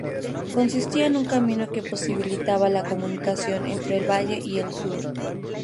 Consistía en un camino que posibilitaba la comunicación entre el Valle y el Sur.